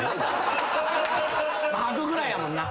吐くぐらいやもんな。